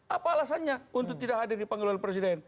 apa alasannya untuk tidak hadir dipanggil oleh presiden